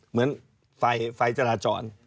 เหมือนไฟจราจร